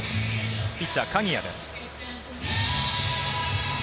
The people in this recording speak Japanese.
ピッチャー、鍵谷です。